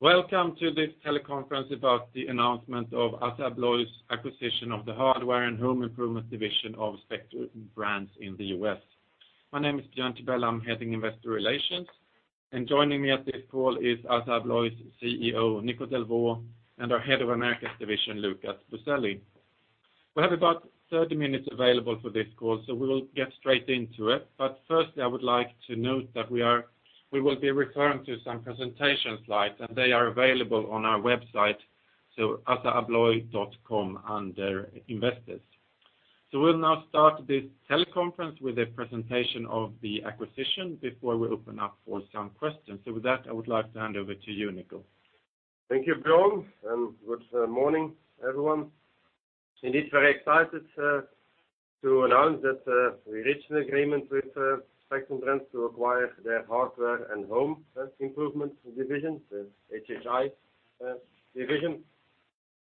Welcome to this teleconference about the announcement of ASSA ABLOY's acquisition of the Hardware and Home Improvement division of Spectrum Brands in the U.S. My name is Björn Tibell. I am heading Investor Relations. Joining me at this call is ASSA ABLOY's CEO, Nico Delvaux, and our Head of Americas Division, Lucas Boselli. We have about 30 minutes available for this call. We will get straight into it. Firstly, I would like to note that we will be referring to some presentation slides. They are available on our website, assaabloy.com under Investors. We will now start this teleconference with a presentation of the acquisition before we open up for some questions. With that, I would like to hand over to you, Nico. Thank you, Björn, and good morning, everyone. Indeed, very excited to announce that we reached an agreement with Spectrum Brands to acquire their Hardware and Home Improvement division, the HHI division,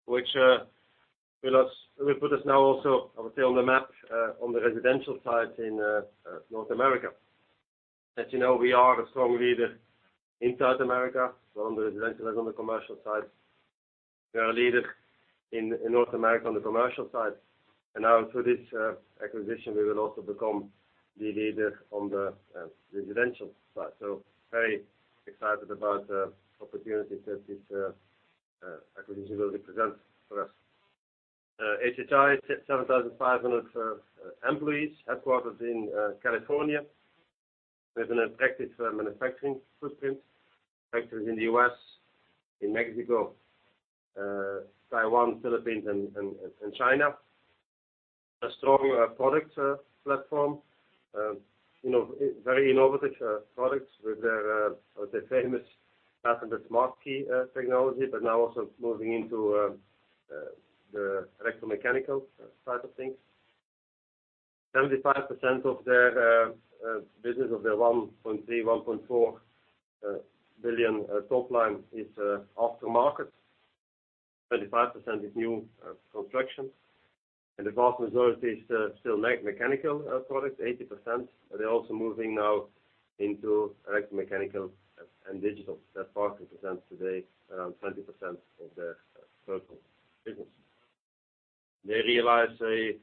which will put us now also, I would say, on the map on the residential side in North America. As we are a strong leader in South America, both on the residential and on the commercial side. We are a leader in North America on the commercial side. Now through this acquisition, we will also become the leader on the residential side. Very excited about the opportunity that this acquisition will represent for us. HHI has 7,500 employees, headquartered in California. They have an attractive manufacturing footprint, factories in the U.S., in Mexico, Taiwan, Philippines, and China. A strong product platform. Very innovative products with their the famous patented SmartKey Security technology, but now also moving into the electromechanical side of things. 75% of their business of their 1.3 billion, 1.4 billion top line is after-market. 35% is new construction, and the vast majority is still mechanical products, 80%. They're also moving now into electromechanical and digital. That part represents today around 20% of their total business. They realize an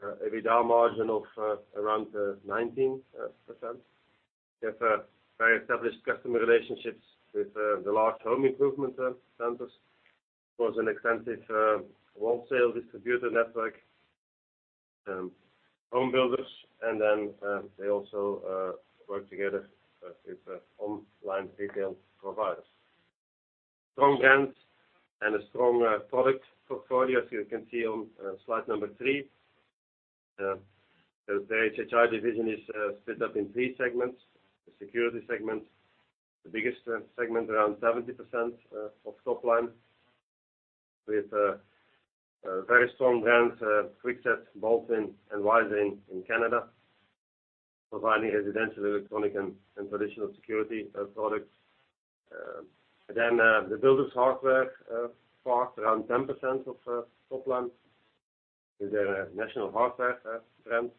EBITDA margin of around 19%. They have very established customer relationships with the large home improvement centers, plus an extensive wholesale distributor network, home builders, and then they also work together with online retail providers. Strong brands and a strong product portfolio, as you can see on slide number 3. The HHI division is split up in three segments. The security segment, the biggest segment, around 70% of top line, with very strong brands, Kwikset, Baldwin, and Weiser in Canada, providing residential, electronic, and traditional security products. Then the builders hardware forms around 10% of top line with their National Hardware brands.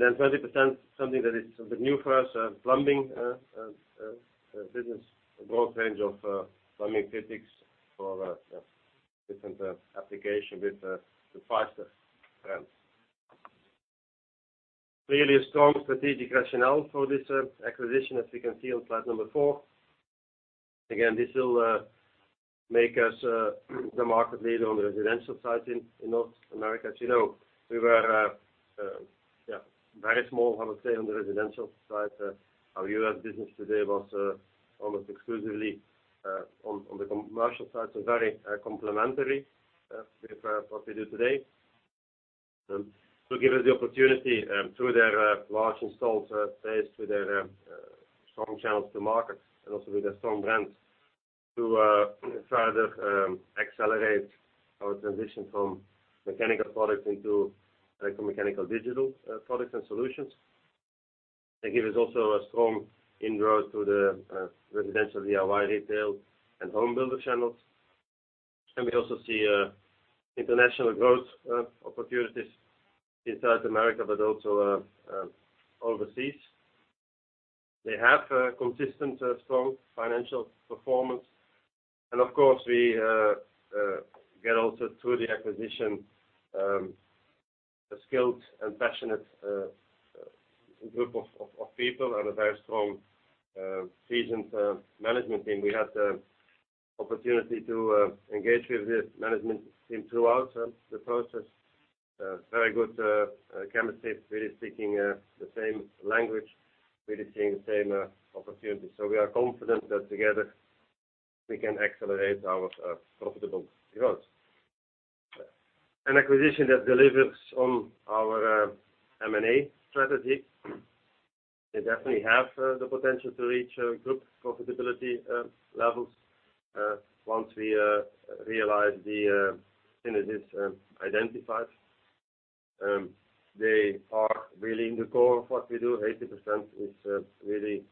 Then 20%, something that is a bit new for us, a plumbing business. A broad range of plumbing fittings for different application with the Pfister brands. Clearly a strong strategic rationale for this acquisition, as we can see on slide number 4. Again, this will make us the market leader on the residential side in North America. As we were very small, I would say, on the residential side. Our U.S. business today was almost exclusively on the commercial side, so very complementary with what we do today. Will give us the opportunity through their large installed base, through their strong channels to market and also with their strong brands, to further accelerate our transition from mechanical products into electromechanical digital products and solutions. They give us also a strong inroad to the residential DIY retail and home builder channels. We also see international growth opportunities in South America, but also overseas. They have a consistent strong financial performance. Of course, we get also through the acquisition a skilled and passionate group of people and a very strong seasoned management team. We had the opportunity to engage with the management team throughout the process. Very good chemistry, really speaking the same language, really seeing the same opportunity. We are confident that together we can accelerate our profitable growth, an acquisition that delivers on our M&A strategy. They definitely have the potential to reach group profitability levels once we realize the synergies identified. They are really in the core of what we do. 80% is really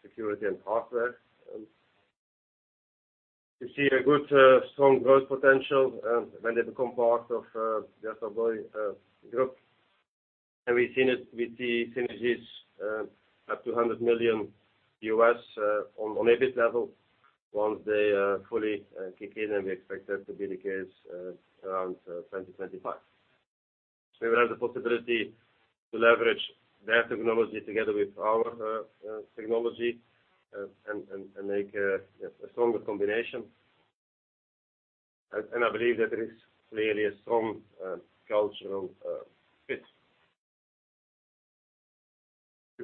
security and hardware. We see a good, strong growth potential when they become part of the Assa Abloy Group. We've seen it with the synergies up to $100 million on EBIT level once they fully kick in, and we expect that to be the case around 2025. We will have the possibility to leverage their technology together with our technology and make a stronger combination. I believe that there is clearly a strong cultural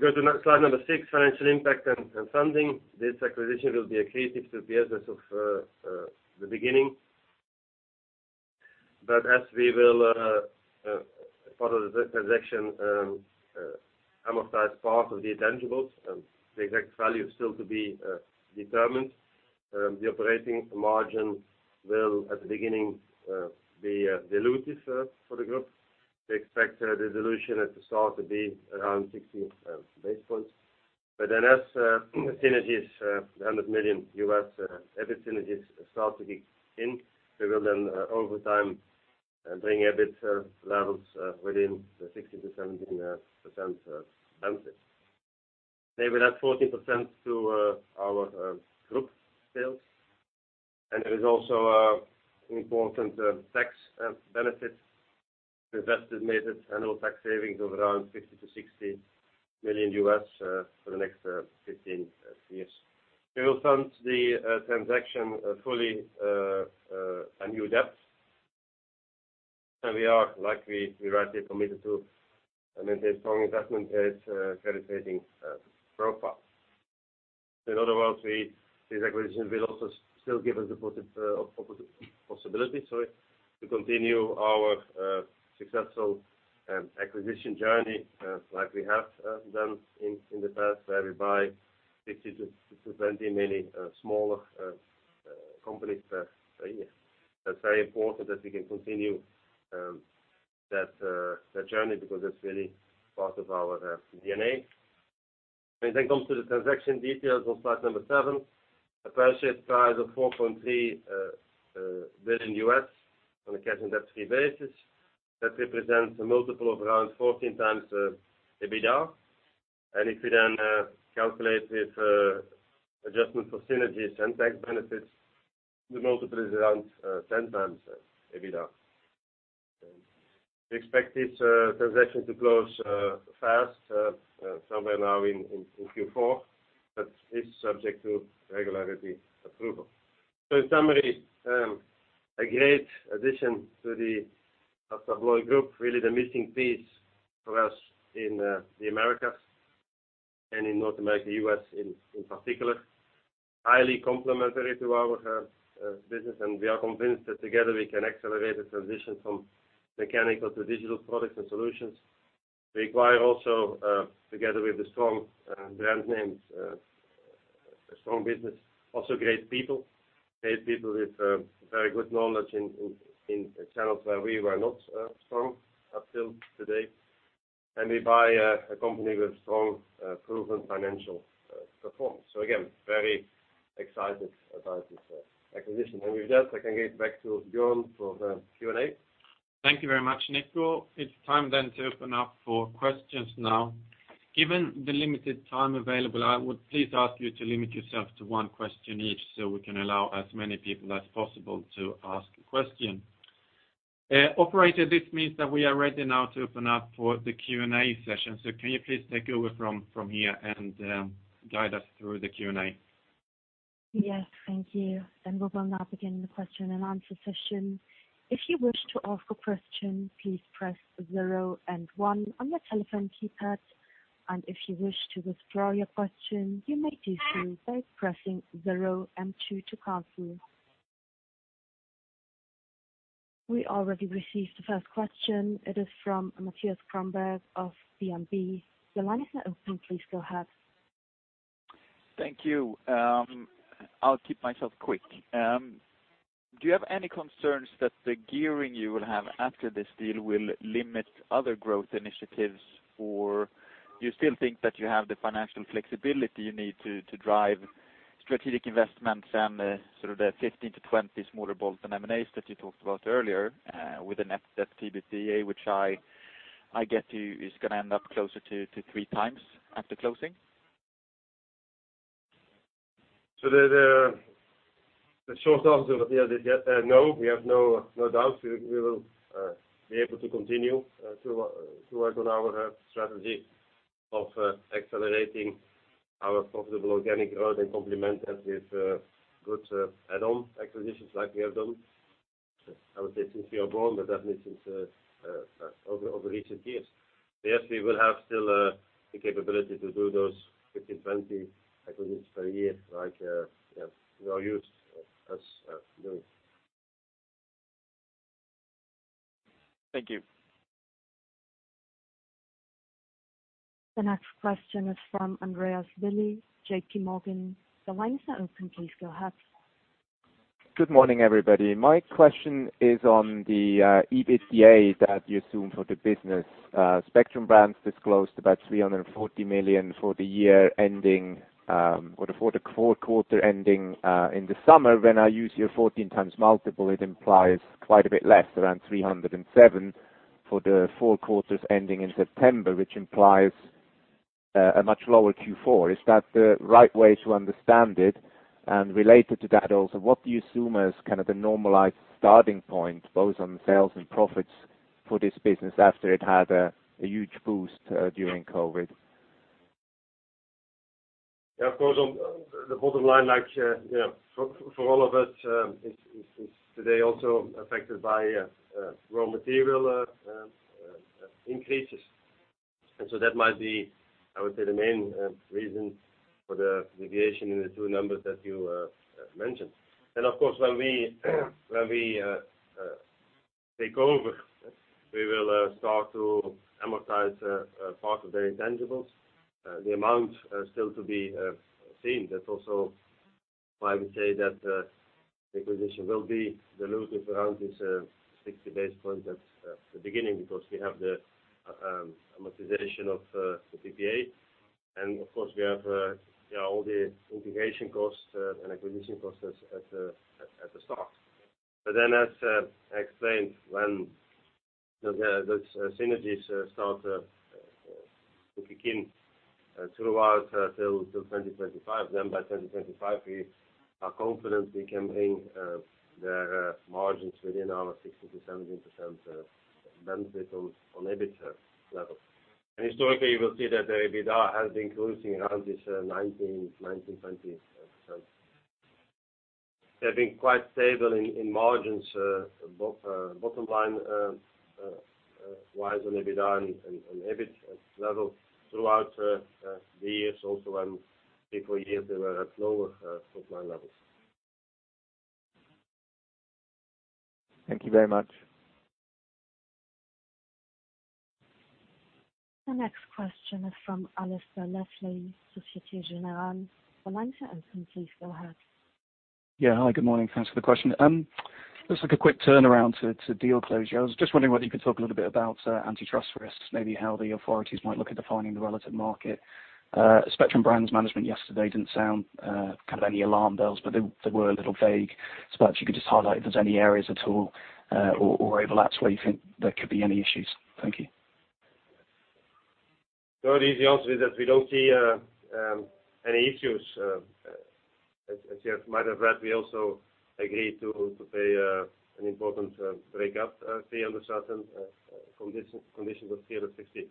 fit. We go to slide number 6, financial impact and funding. This acquisition will be accretive to Assa Abloy at the beginning. As we will amortize part of the intangibles, the exact value is still to be determined. The operating margin will, at the beginning, be dilutive for the group. We expect a dilution at the start to be around 60 basis points. Then as synergies, $100 million US EBIT synergies start to kick in, we will then over time bring EBIT levels within the 60%-70% bandwidth. They will add 14% to our group sales. There is also important tax benefits. We've estimated annual tax savings of around $50 million-$60 million US for the next 15 years. We will fund the transaction fully a new debt. We rightly committed to maintain strong investment-grade credit rating profile. In other words, This acquisition will also still give us the possibility to continue our successful acquisition journey, like we have done in the past, where we buy 50 to 20 mainly smaller companies per year. That's very important that we can continue that journey because that's really part of our DNA. When it comes to the transaction details on slide number 7, a purchase price of $4.3 billion on a cash and debt-free basis. That represents a multiple of around 14 times EBITDA. If you calculate with adjustment for synergies and tax benefits, the multiple is around 10 times EBITDA. We expect this transaction to close fast somewhere now in Q4, but it's subject to regulatory approval. In summary, a great addition to the Assa Abloy Group, really the missing piece for us in the Americas and in North America, U.S. in particular. Highly complementary to our business, and we are convinced that together we can accelerate the transition from mechanical to digital products and solutions. Require also together with the strong brand names, a strong business, also great people, great people with very good knowledge in channels where we were not strong until today. We buy a company with strong proven financial performance. Again, very excited about this acquisition. With that, I can hand back to Björn for the Q&A. Thank you very much, Nico. It's time to open up for questions now. Given the limited time available, I would please ask you to limit yourself to one question each, so we can allow as many people as possible to ask a question. Operator, this means that we are ready now to open up for the Q&A session. Can you please take over from here and guide us through the Q&A? Yes, thank you. We will now begin the question and answer session. We already received the first question. It is from Mattias Holmberg of DNB. Your line is now open. Please go ahead. Thank you. I'll keep myself quick. Do you have any concerns that the gearing you will have after this deal will limit other growth initiatives? Or you still think that you have the financial flexibility you need to drive strategic investments and the 15-20 smaller bolts and M&As that you talked about earlier, with a net debt EBITDA, which I get to is gonna end up closer to three times after closing? The short answer, Mattias, yeah, no. We have no doubts. We will be able to continue to work on our strategy of accelerating our profitable organic growth and complement that with good add-on acquisitions like we have done, I would say since we are born, but definitely since over recent years. Yes, we will have still the capability to do those 15, 20 acquisitions per year like, yeah, we are used as doing. Thank you. The next question is from Andreas Willi, JPMorgan. Your line is now open. Please go ahead. Good morning, everybody. My question is on the EBITDA that you assume for the business. Spectrum Brands disclosed about $340 million for the year ending, or for the fourth quarter ending in the summer. When I use your 14x multiple, it implies quite a bit less, around $307 million. For the four quarters ending in September, which implies a much lower Q4. Is that the right way to understand it? Related to that also, what do you assume as kind of the normalized starting point, both on sales and profits for this business after it had a huge boost during COVID? Yeah, on the bottom line, like for all of us, is today also affected by raw material increases. That might be, I would say, the main reason for the deviation in the two numbers that you mentioned. Of course, when we take over, we will start to amortize part of their intangibles. The amount still to be seen. That's also why we say that the acquisition will be dilutive around this 60 basis points at the beginning because we have the amortization of the PPA. We have all the integration costs and acquisition costs at the start. As I explained, when the synergies start to begin throughout till 2025, then by 2025 we are confident we can bring the margins within our 60%-70% benefit on EBITDA level. Historically, you will see that the EBITDA has been cruising around this 19%-20%. They've been quite stable in margins, bottom line wise on EBITDA and EBIT level throughout the years also when three, four years they were at lower bottom line levels. Thank you very much. The next question is from Alasdair Leslie, Societe Generale. The line is open. Please go ahead. Yeah. Hi, good morning. Thanks for the question. Just like a quick turnaround to deal closure. I was just wondering whether you could talk a little bit about antitrust risks, maybe how the authorities might look at defining the relative market. Spectrum Brands management yesterday didn't sound kind of any alarm bells, they were a little vague. Perhaps you could just highlight if there's any areas at all, or overlaps where you think there could be any issues. Thank you. The easy answer is that we don't see any issues. As you might have read, we also agreed to pay an important breakup fee under certain conditions of $360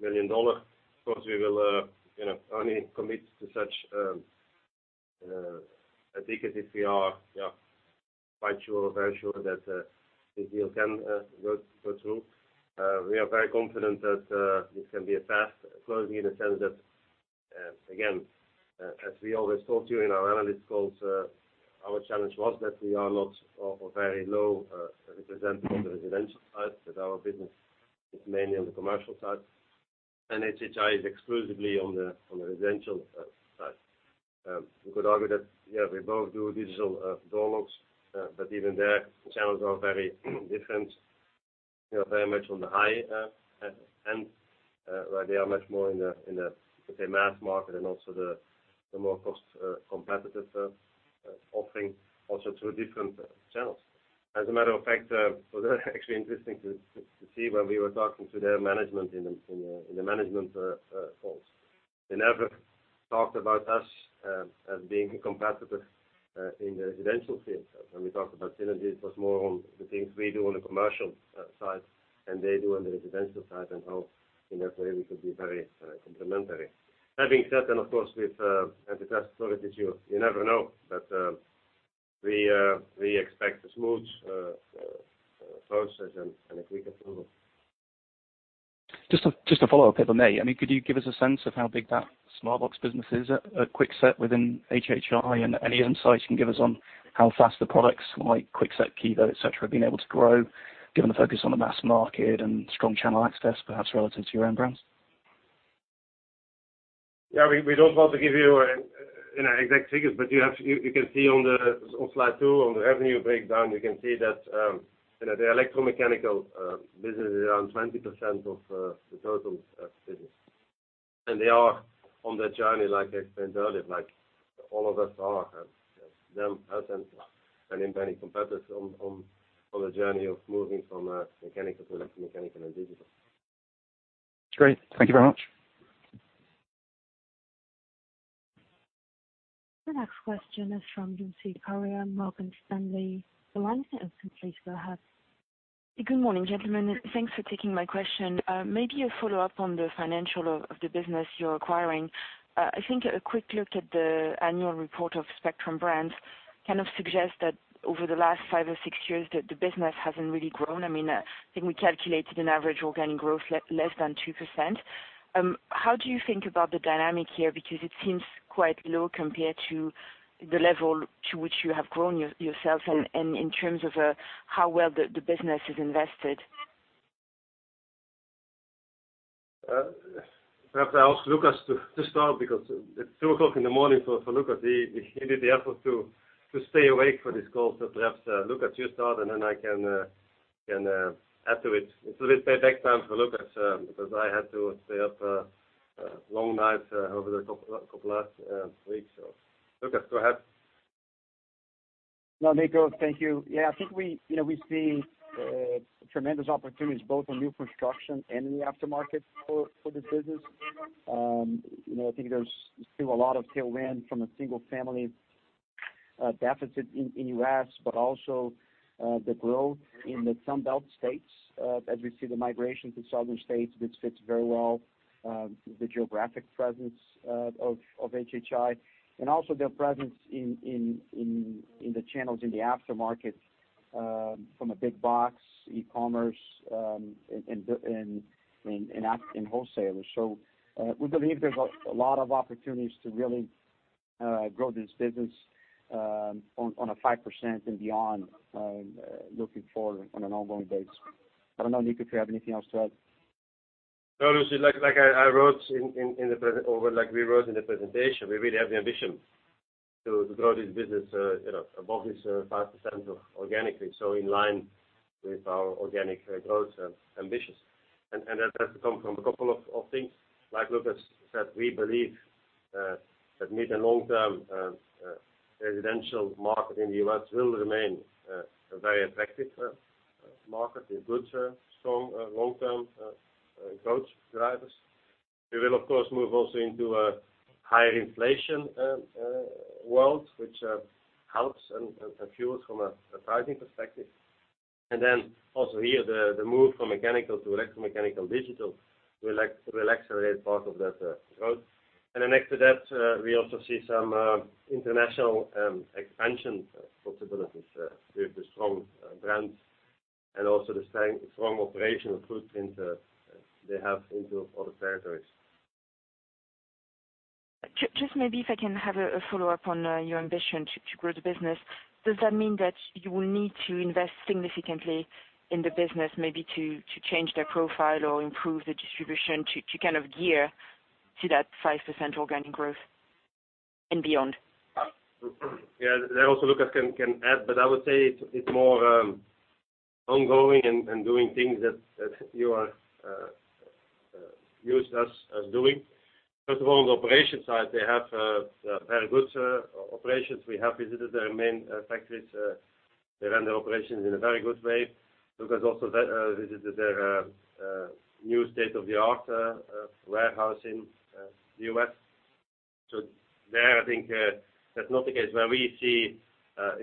million. Of course, we will only commit to such a ticket if we are quite sure or very sure that this deal can go through. We are very confident that this can be a fast closing in the sense that again, as we always told you in our analyst calls, our challenge was that we are not a very low represented on the residential side, that our business is mainly on the commercial side. HHI is exclusively on the residential side. You could argue that, yeah, we both do digital door locks, but even there, the channels are very different, very much on the high end, where they are much more in the let's say mass market and also the more cost competitive offering also through different channels. As a matter of fact, so that actually interesting to see when we were talking to their management in the management calls. They never talked about us as being a competitor in the residential field. When we talked about synergies, it was more on the things we do on the commercial side and they do on the residential side, and how in that way we could be very complementary. That being said, and of course, with antitrust authorities, you never know. We expect a smooth process and a quick approval. Just a follow-up, if I may. Could you give us a sense of how big that smart locks business is at Kwikset within HHI, and any insights you can give us on how fast the products like Kwikset Kevo, et cetera, have been able to grow, given the focus on the mass market and strong channel access, perhaps relative to your own brands? Yeah. We don't want to give you an exact figures. You can see on the slide 2, on the revenue breakdown, you can see that the electromechanical business is around 20% of the total business. They are on that journey, like I explained earlier, like all of us are, them, us, and many competitors on the journey of moving from mechanical to electromechanical and digital. Great. Thank you very much. The next question is from Lucie Carrier, Morgan Stanley. The line is open. Please go ahead. Good morning, gentlemen. Thanks for taking my question. Maybe a follow-up on the financial of the business you're acquiring. I think a quick look at the annual report of Spectrum Brands kind of suggests that over the last five or six years, the business hasn't really grown. We calculated an average organic growth less than 2%. How do you think about the dynamic here? Because it seems quite low compared to the level to which you have grown yourself and in terms of, how well the business is invested. Perhaps I ask Lucas to start because it's 2:00 in the morning for Lucas. He made the effort to stay awake for this call. Perhaps Lucas, you start, and then I can add to it. It's a little payback time for Lucas because I had to stay up a long night over the couple last weeks. Lucas, go ahead. No, Nico, thank you. We see tremendous opportunities both on new construction and in the aftermarket for this business. There's still a lot of tailwind from a single family deficit in U.S. but also the growth in the Sun Belt states as we see the migration to southern states, which fits very well the geographic presence of HHI. Also their presence in the channels in the aftermarket from a big box e-commerce in wholesalers. We believe there's a lot of opportunities to really grow this business on a 5% and beyond looking forward on an ongoing basis. I don't know, Nico, if you have anything else to add. No, Lucie, like I wrote or like we wrote in the presentation, we really have the ambition to grow this business above this, 5% organically, so in line with our organic growth ambitions. That has to come from a couple of things. Like Lucas said, we believe that mid and long-term residential market in the U.S. will remain a very attractive market with good, strong, long-term growth drivers. We will of course move also into a higher inflation world, which helps and fuels from a pricing perspective. Also here, the move from mechanical to electro-mechanical digital will accelerate part of that growth. Next to that, we also see some international expansion possibilities with the strong brands and also the strong operational footprint they have into other territories. Just maybe if I can have a follow-up on your ambition to grow the business. Does that mean that you will need to invest significantly in the business maybe to change their profile or improve the distribution to kind of gear to that 5% organic growth and beyond? That also Lucas can add, but I would say it's more ongoing and doing things that you are used us as doing. First of all, on the operations side, they have very good operations. We have visited their main factories. They run the operations in a very good way. Lucas also visited their new state-of-the-art warehouse in the U.S. There, I think, that's not the case. Where we see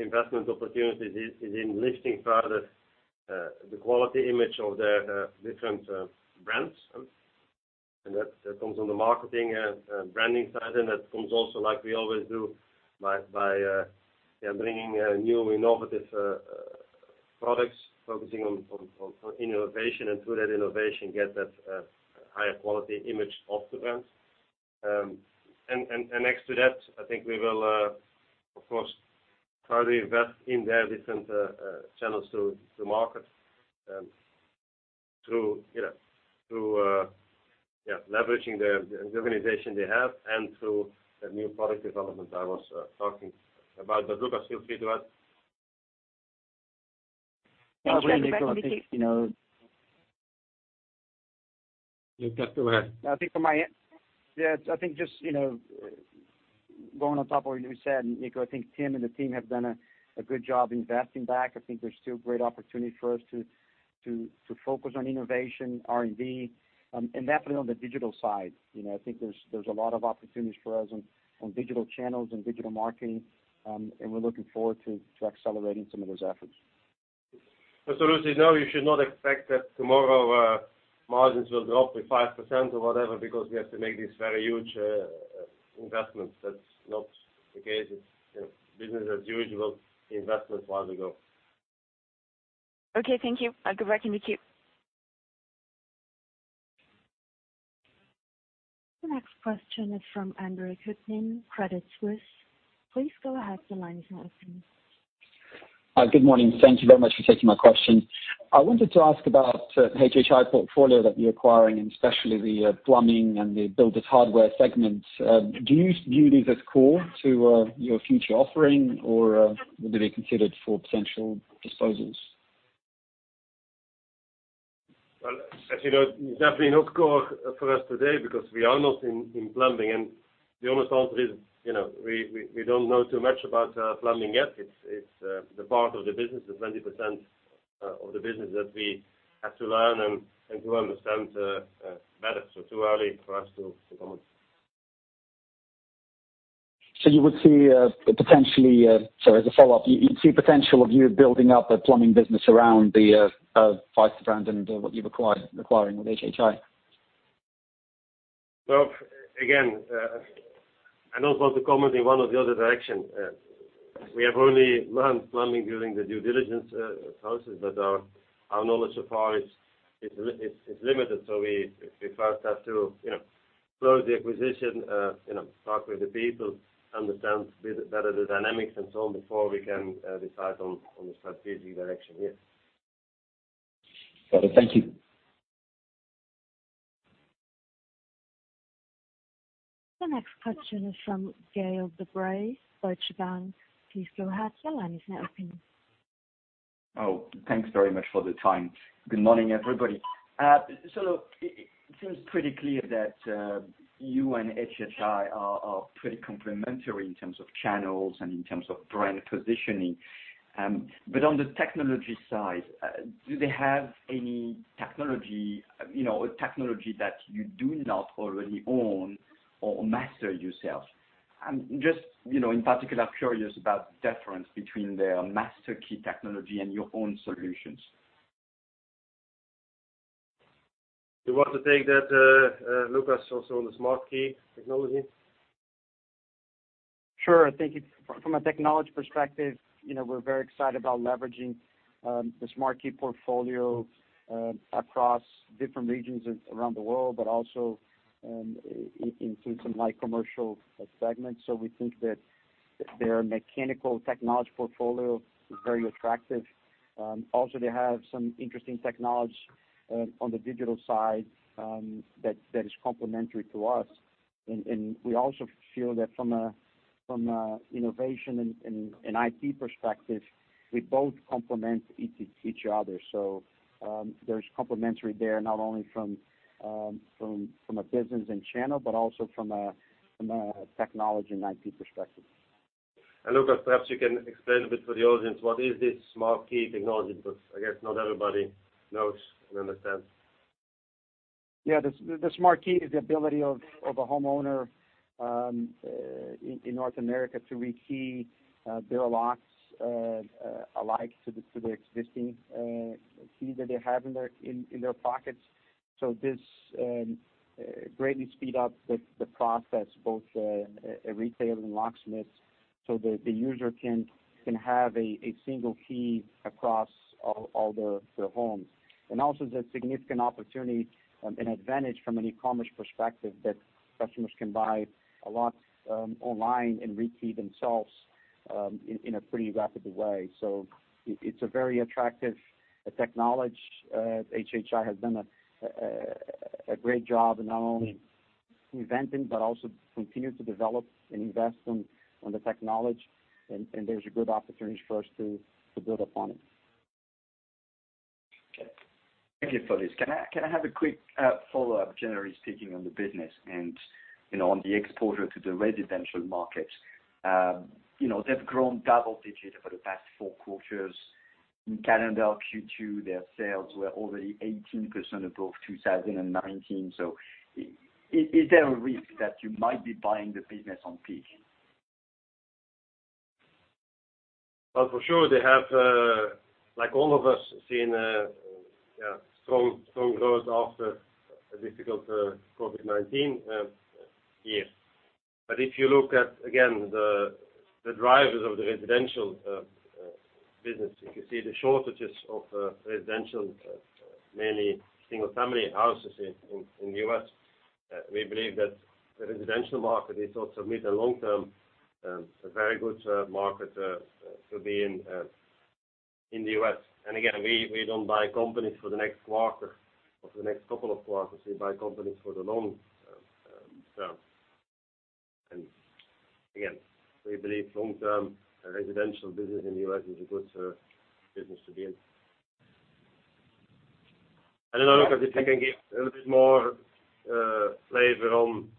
investment opportunities is in lifting further the quality image of their different brands. That comes on the marketing and branding side, and that comes also like we always do by bringing new innovative products, focusing on innovation and through that innovation get that higher quality image of the brands. Next to that, I think we will, of course, further invest in their different channels to market, through leveraging the organization they have and through the new product development I was talking about. Lucas, feel free to add. Thank you. Back in the queue. I think, you know. Lucas, go ahead. From my end, just going on top of what you said, Nico, I think Tim and the team have done a good job investing back. I think there's still great opportunity for us to focus on innovation, R&D, and definitely on the digital side. There's a lot of opportunities for us on digital channels and digital marketing. We're looking forward to accelerating some of those efforts. Lucie, no, you should not expect that tomorrow, margins will drop with 5% or whatever because we have to make these very huge investments. That's not the case. It's business as usual investments while we go. Okay, thank you. Go back in the queue. The next question is from Andre Kukhnin, Credit Suisse. Please go ahead. The line is now open. Good morning. Thank you very much for taking my question. I wanted to ask about HHI portfolio that you're acquiring, and especially the plumbing and the builders hardware segment. Do you view these as core to your future offering or will they be considered for potential disposals? As it's definitely not core for us today because we are not in plumbing. The honest answer is, we don't know too much about plumbing yet. It's the part of the business, the 20% of the business that we have to learn and to understand better. Too early for us to comment. You would see, potentially, Sorry, as a follow-up, you see potential of you building up a plumbing business around the five brands and what you've acquired, acquiring with HHI? Again, I don't want to comment in one or the other direction. We have only learned plumbing during the due diligence process, but our knowledge so far is limited. We first have to close the acquisition talk with the people, understand better the dynamics and so on before we can decide on the strategic direction, yes. Got it. Thank you. The next question is from Gael de-Bray, Deutsche Bank. Please go ahead. Your line is now open. Thanks very much for the time. Good morning, everybody. It seems pretty clear that you and HHI are pretty complementary in terms of channels and in terms of brand positioning. On the technology side, do they have any technology, a technology that you do not already own or master yourself? I'm just in particular curious about difference between their master key technology and your own solutions. You want to take that, Lucas, also on the SmartKey Security technology? Sure. I think from a technology perspective we're very excited about leveraging the SmartKey Security portfolio across different regions around the world, but also including some light commercial segments. We think that their mechanical technology portfolio is very attractive. Also they have some interesting technology on the digital side that is complementary to us. We also feel that from a innovation and IT perspective, we both complement each other. There's complementary there not only from a business and channel, but also from a technology and IT perspective. Lucas, perhaps you can explain a bit for the audience what is this SmartKey Security technology? Not everybody knows and understands. The SmartKey Security is the ability of a homeowner in North America to rekey their locks alike to the existing key that they have in their pockets. This greatly speed up the process, both retail and locksmith, so that the user can have a single key across all their homes. Also there's significant opportunity and advantage from an e-commerce perspective that customers can buy a lot online and rekey themselves in a pretty rapidly way. It's a very attractive technology. HHI has done a great job in not only inventing, but also continue to develop and invest on the technology and there's a good opportunity for us to build upon it. Okay. Thank you for this. Can I have a quick follow-up generally speaking on the business and on the exposure to the residential markets? They've grown double digits for the past four quarters. In calendar Q2, their sales were already 18% above 2019. Is there a risk that you might be buying the business on peak? For sure they have, like all of us seen a strong growth after a difficult COVID-19 year. If you look at again the drivers of the residential business, you can see the shortages of residential, mainly single family houses in the U.S. We believe that the residential market is also mid to long term, a very good market to be in in the U.S. Again, we don't buy companies for the next quarter or the next couple of quarters. We buy companies for the long term. Again, we believe long-term residential business in the U.S. is a good business to be in. I don't know, Lucas, if you can give a little bit more, flavor on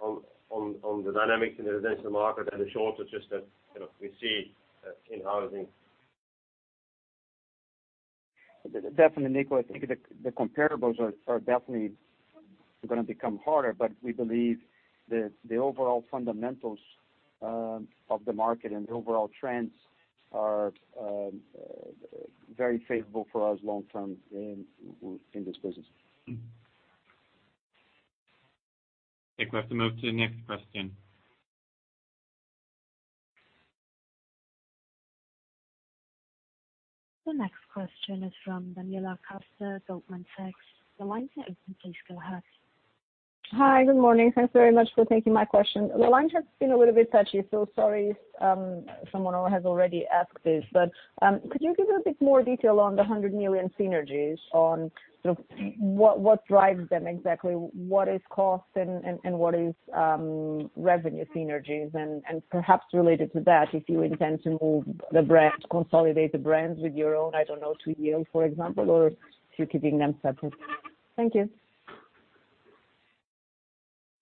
the dynamics in the residential market and the shortages that we see, in housing. Definitely, Nico. I think the comparables are definitely gonna become harder. We believe the overall fundamentals of the market and the overall trends are very favorable for us long term in this business. I think we have to move to the next question. The next question is from Daniela Costa, Goldman Sachs. The line is open. Please go ahead. Hi. Good morning. Thanks very much for taking my question. The line has been a little bit patchy, sorry if someone has already asked this. Could you give a bit more detail on the 100 million synergies on what drives them exactly? What is cost and what is revenue synergies? Perhaps related to that, if you intend to move the brand, consolidate the brands with your own, I don't know, to Yale, for example, or if you're keeping them separate. Thank you.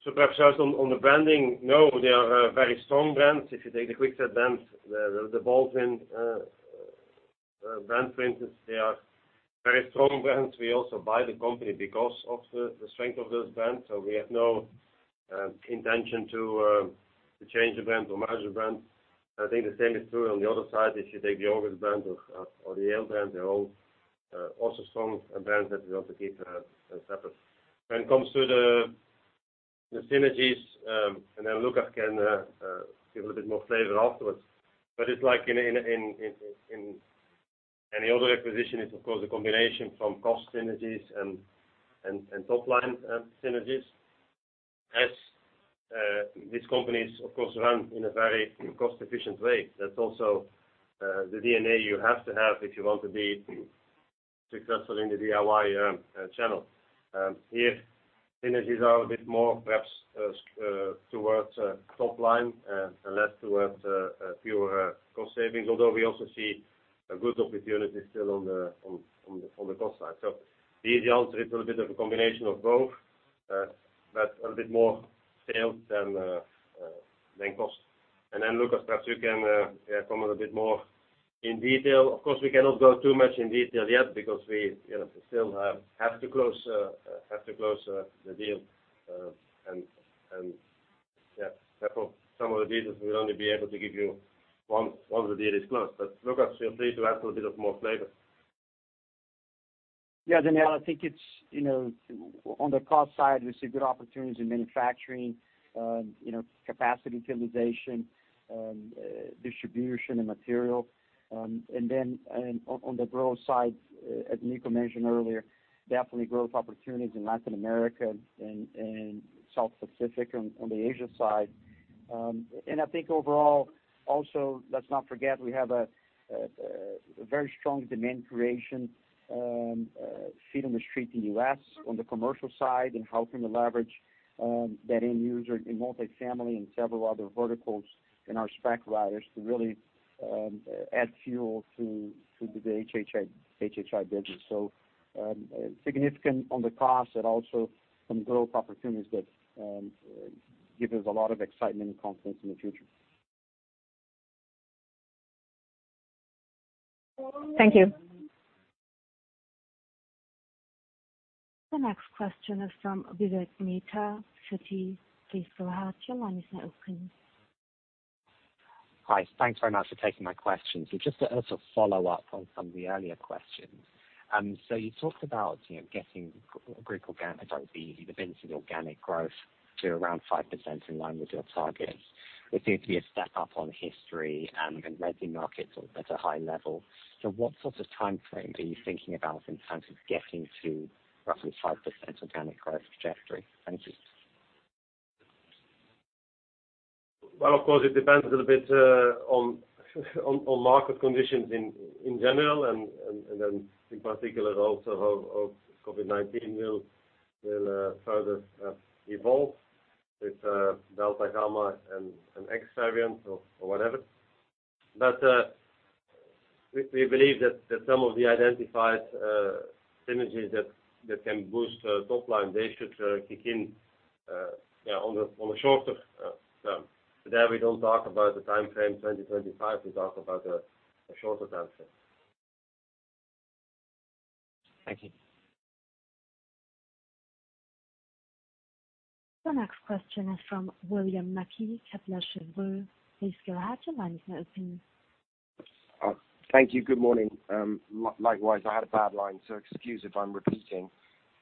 Perhaps just on the branding, they are very strong brands. If you take the Kwikset brand, the Baldwin brand, for instance, they are very strong brands. We also buy the company because of the strength of those brands. We have no intention to change the brand or merge the brands. I think the same is true on the other side. If you take the August brand or the Yale brand, they're all also strong brands that we want to keep separate. When it comes to the synergies, Lucas can give a little bit more flavor afterwards. It's like in any other acquisition is of course a combination from cost synergies and top line synergies. As these companies of course run in a very cost efficient way. That's also the DNA you have to have if you want to be successful in the DIY channel. Here synergies are a bit more perhaps towards top line and less towards fewer cost savings, although we also see a good opportunity still on the cost side. The easy answer is a little bit of a combination of both, but a little bit more sales than cost. Lucas, perhaps you can comment a bit more in detail. Of course, we cannot go too much in detail yet because we still have to close, have to close the deal. Yeah, therefore some of the details we'll only be able to give you once the deal is closed. Lucas, feel free to add a little bit of more flavor. Yeah, Daniela, on the cost side, we see good opportunities in manufacturing, capacity utilization, distribution and material. On the growth side, as Nico mentioned earlier, definitely growth opportunities in Latin America and South Pacific on the Asia side. I think overall, also, let's not forget we have a very strong demand creation, feet on the street in U.S. on the commercial side and how can we leverage that end user in multifamily and several other verticals in our spec writers to really add fuel to the HHI business. Significant on the cost and also some growth opportunities that give us a lot of excitement and confidence in the future. Thank you. The next question is from Vivek Midha, Citi. Please go ahead, your line is now open. Hi. Thanks very much for taking my questions. Just as a follow-up on some of the earlier questions. You talked about, getting group organic Sorry, the business organic growth to around 5% in line with your targets. It seems to be a step up on history, end markets are at a high level. What timeframe are you thinking about in terms of getting to roughly 5% organic growth trajectory? Thank you. Of course, it depends a little bit on market conditions in general and then in particular also how COVID-19 will further evolve with Delta, Gamma and X variant or whatever. We believe that some of the identified synergies that can boost top line, they should kick in on a shorter term. Today we don't talk about the timeframe 2025, we talk about a shorter timeframe. Thank you. The next question is from William Mackie, Kepler Cheuvreux. Please go ahead, your line is now open. Thank you. Good morning. Likewise, I had a bad line, so excuse if I'm repeating.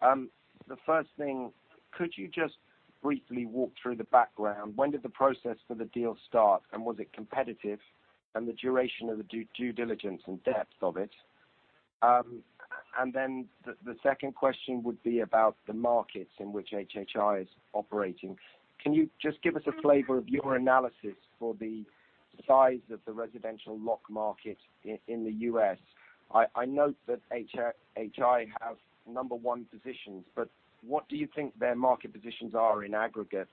The first thing, could you just briefly walk through the background? When did the process for the deal start, and was it competitive, and the duration of the due diligence and depth of it? Then the second question would be about the markets in which HHI is operating. Can you just give us a flavor of your analysis for the size of the residential lock market in the U.S.? I note that HHI have number one positions, but what do you think their market positions are in aggregate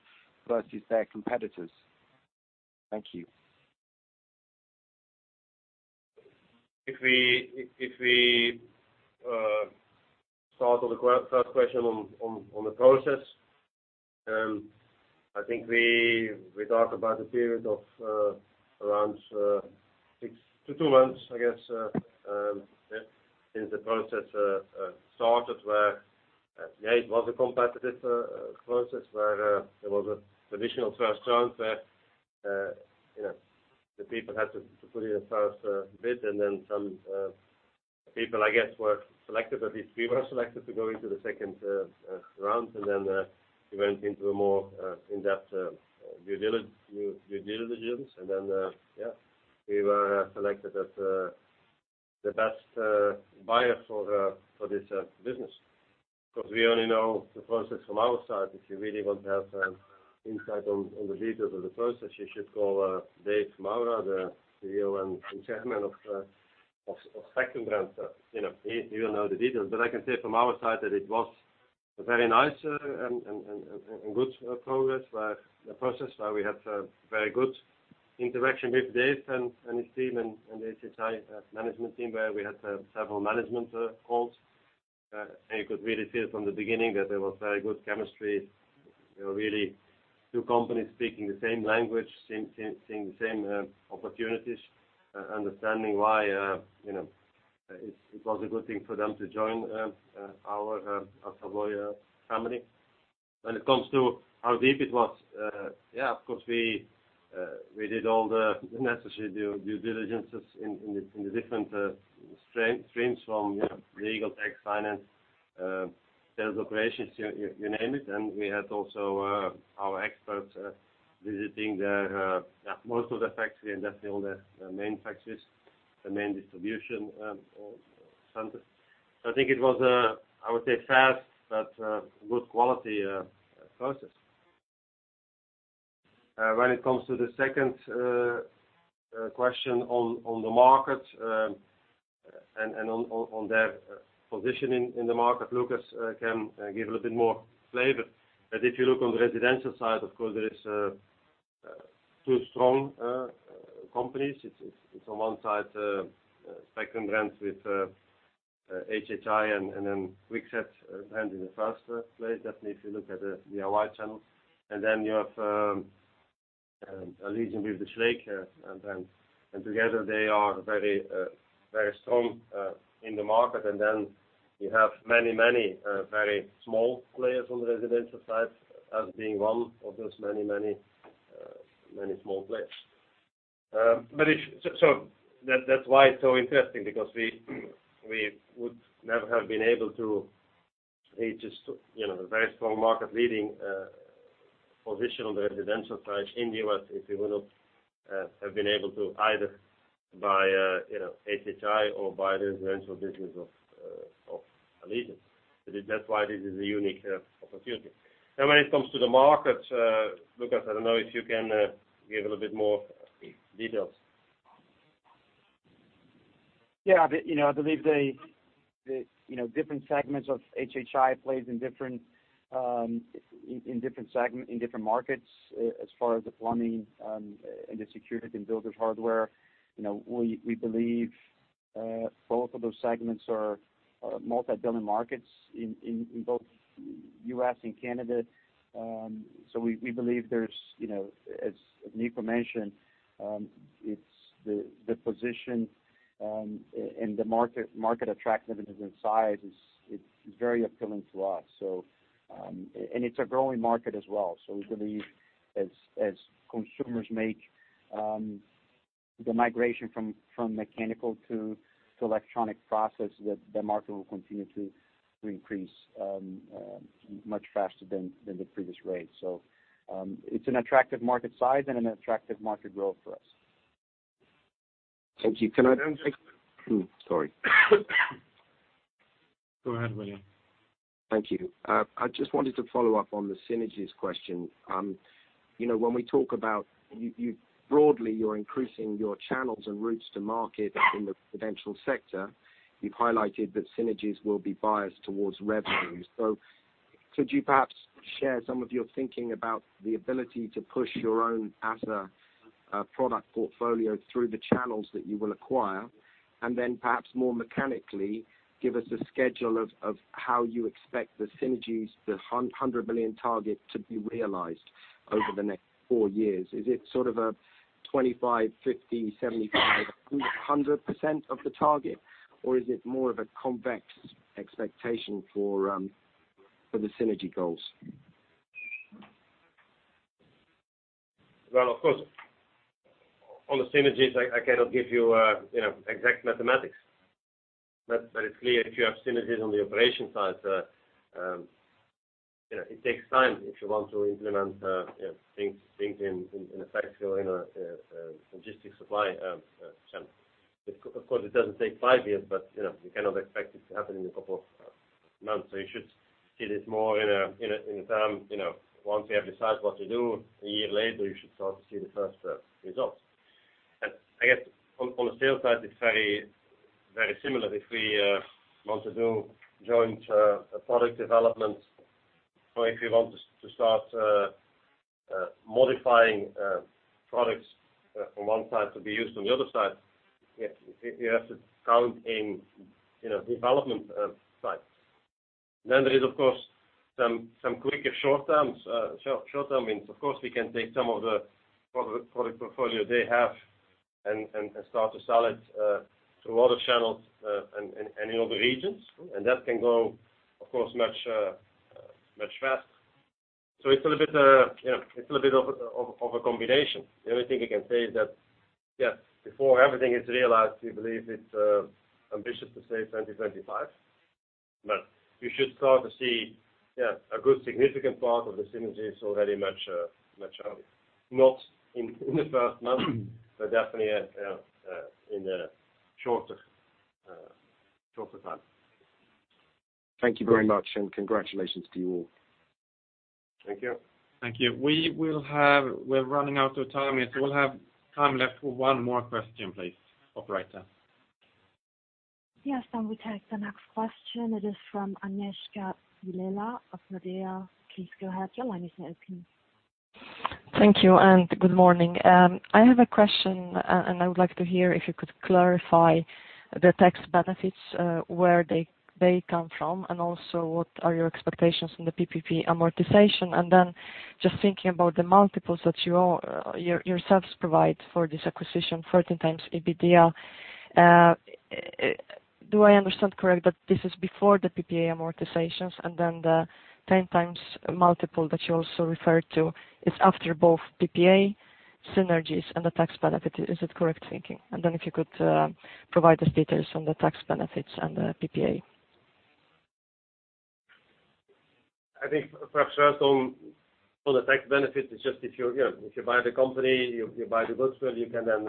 versus their competitors? Thank you. If we start on the first question on the process, I think we talked about a period of around six to two months, since the process started where, yeah, it was a competitive process where there was a traditional first round where the people had to put in a first bid. Some people were selected, at least we were selected to go into the second round. We went into a more in-depth due diligence. Yeah, we were selected as the best buyer for this business. Of course, we only know the process from our side. If you really want to have insight on the details of the process, you should call David Maura, the CEO and Chairman of Spectrum Brands. He will know the details. I can say from our side that it was a very nice and good progress, a process where we had very good interaction with David and his team and the HHI management team, where we had several management calls. You could really feel from the beginning that there was very good chemistry. Really two companies speaking the same language, seeing the same opportunities, understanding why it was a good thing for them to join our Assa Abloy family. When it comes to how deep it was, of course we did all the necessary due diligences in the different streams from, legal, tax, finance, sales operations, you name it. We had also our experts visiting the most of the factory and that's all the main factories, the main distribution centers. I think it was a, I would say fast but good quality process. When it comes to the second question on the market and on their positioning in the market, Lucas can give a little bit more flavor. If you look on the residential side, of course, there is two strong companies. It's on one side, second brand with HHI and then Kwikset brand in the first place, definitely if you look at the DIY channel. You have Allegion with the Schlage brand. Together, they are very strong in the market. You have many, many very small players on the residential side as being one of those many small players. That's why it's so interesting because we would never have been able to reach this to the very strong market-leading position on the residential side in the U.S. if we would not have been able to either buy HHI or buy the residential business of Allegion. That's why this is a unique opportunity. When it comes to the market, Lucas, I don't know if you can give a little bit more details. Yeah. I believe the different segments of HHI plays in different, in different segment, in different markets, as far as the plumbing, and the security and builders' hardware. We believe both of those segments are multibillion markets in both U.S. and Canada. We believe there's, as Nico mentioned, it's the position in the market attractiveness and size is very appealing to us. And it's a growing market as well. We believe as consumers make the migration from mechanical to electronic process, that the market will continue to increase much faster than the previous rates. It's an attractive market size and an attractive market growth for us. Thank you. Sorry. Go ahead, William. Thank you. I just wanted to follow up on the synergies question. When we talk about you broadly, you're increasing your channels and routes to market in the residential sector. You've highlighted that synergies will be biased towards revenues. Could you perhaps share some of your thinking about the ability to push your own ASSA product portfolio through the channels that you will acquire? Perhaps more mechanically, give us a schedule of how you expect the synergies, the 100 billion target to be realized over the next four years. Is it a 25%, 50%, 75%, 100% of the target? Is it more of a convex expectation for the synergy goals? On the synergies, I cannot give exact mathematics. It's clear if you have synergies on the operation side, it takes time if you want to implement things in a factory or in a logistics supply channel. Of course, it doesn't take five years, but you cannot expect it to happen in a couple of months. You should see this more in a term, once we have decided what to do, a year later, you should start to see the first results. On the sales side, it's very similar. If we want to do joint product development or if we want to start modifying products from one side to be used on the other side, you have to count in development side. There is, of course, some quicker short-term wins. We can take some of the product portfolio they have and start to sell it through other channels and in other regions. That can go, of course, much faster. It's a little bit, it's a little bit of a combination. The only thing I can say is that, yeah, before everything is realized, we believe it's ambitious to say 2025, but you should start to see, yeah, a good significant part of the synergies already much, much early. Not in the first month, definitely in a shorter time. Thank you very much, and congratulations to you all. Thank you. Thank you. We're running out of time, so we'll have time left for one more question, please, operator. Yes. We take the next question. It is from Agnieszka Vilela of Nordea. Please go ahead. Your line is open. Thank you. Good morning. I have a question, and I would like to hear if you could clarify the tax benefits, where they come from, and also what are your expectations from the PPA amortization. Just thinking about the multiples that you yourselves provide for this acquisition, 13x EBITDA. Do I understand correct that this is before the PPA amortizations and then the 10x multiple that you also referred to is after both PPA synergies and the tax benefit? Is it correct thinking? If you could provide us details on the tax benefits and the PPA. I think perhaps first on the tax benefit is just if you buy the company, you buy the goodwill, you can then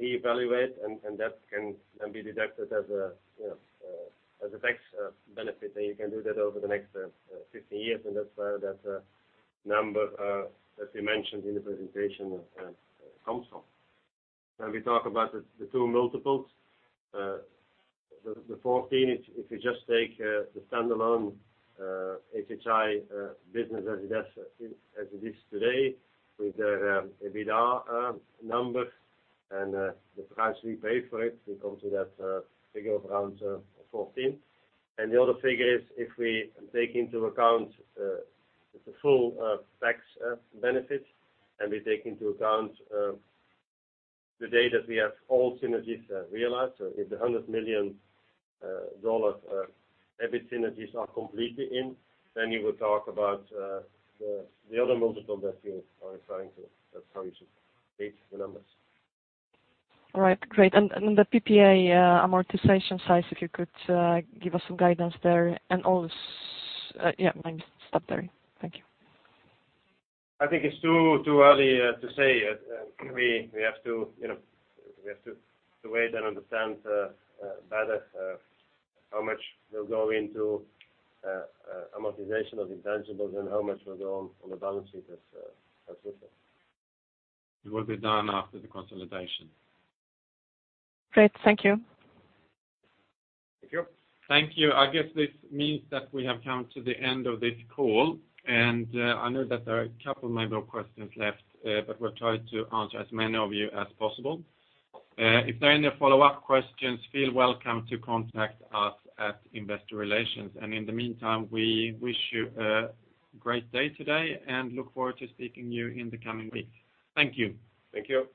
re-evaluate and that can then be deducted as a tax benefit, and you can do that over the next 15 years, and that's where that number, as we mentioned in the presentation, comes from. When we talk about the two multiples, the 14, if you just take the standalone HHI business as it is today with the EBITDA numbers and the price we pay for it, we come to that figure of around 14. The other figure is if we take into account the full tax benefits and we take into account the day that we have all synergies realized. If the $100 million EBIT synergies are completely in, you will talk about the other multiple that you are referring to. That's how you should read the numbers. All right, great. The PPA amortization size, if you could give us some guidance there and all this, yeah, let me stop there. Thank you. I think it's too early to say. We have to we have to wait and understand better how much will go into amortization of intangibles and how much will go on the balance sheet as such. It will be done after the consolidation. Great. Thank you. Thank you. Thank you. This means that we have come to the end of this call. I know that there are a couple of maybe questions left, but we'll try to answer as many of you as possible. If there are any follow-up questions, feel welcome to contact us at investor relations. In the meantime, we wish you a great day today and look forward to speaking to you in the coming weeks. Thank you. Thank you.